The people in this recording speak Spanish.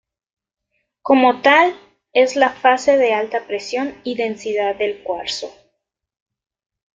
Como tal, es la fase de alta presión y densidad del cuarzo.